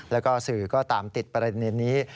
แล้วก็สื่อก็ตามติดประเด็นนี้